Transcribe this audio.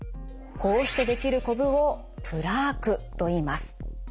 こうしてできるこぶをプラークといいます。